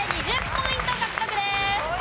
２０ポイント獲得です！